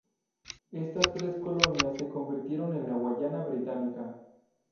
Estas tres colonias se convirtieron en la Guayana Británica.